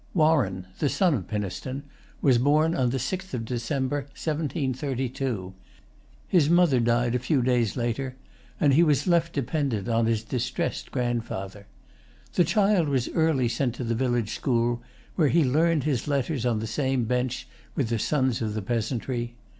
Warren, the son of Pynaston, was born on the sixth of December, 1732. His mother died a few days later, and he was left dependent on his distressed grandfather. The child was early sent to the village school, where he learned his letters on the same bench with the sons of the peasantry.